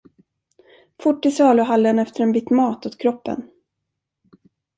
Fort till saluhallen efter en bit mat åt kroppen.